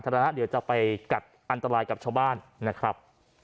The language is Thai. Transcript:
นะเดี๋ยวจะไปกัดอันตรายกับชาวบ้านนะครับ